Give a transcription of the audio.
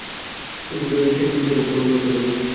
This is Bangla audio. কিন্তু দূরে গিয়ে সে নিচের দিকে অবতরণ করতে থাকে।